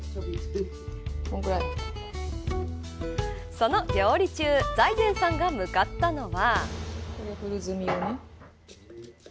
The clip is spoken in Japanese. その料理中財前さんが向かったのは。